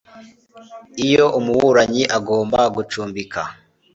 iyo umuburanyi agomba gucumbika